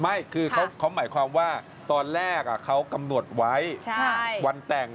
ไม่คือเขาหมายความว่าตอนแรกเขากำหนดไว้วันแต่ง